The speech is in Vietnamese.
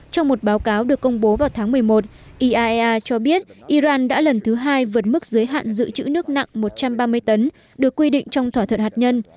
trong một báo cáo được công bố vào tháng một mươi một iaea cho biết iran đã lần thứ hai vượt mức giới hạn dự trữ nước nặng một trăm ba mươi tấn được quy định trong thỏa thuận hạt nhân